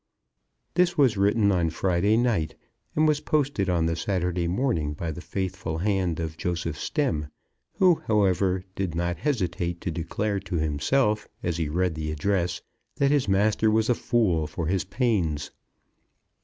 This was written on Friday night, and was posted on the Saturday morning by the faithful hand of Joseph Stemm; who, however, did not hesitate to declare to himself, as he read the address, that his master was a fool for his pains.